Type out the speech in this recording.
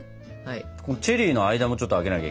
チェリーの間もちょっと空けなきゃいけないからね。